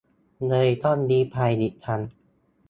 เลยต้องลี้ภัยอีกครั้ง